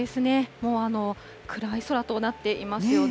もう暗い空となっていますよね。